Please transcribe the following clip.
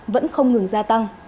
vẫn không ngừng gia tăng